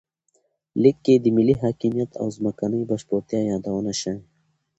لیک کې د ملي حاکمیت او ځمکنۍ بشپړتیا یادونه شوې.